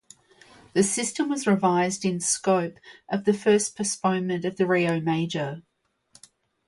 The system was revised in scope of the first postponement of the Rio Major.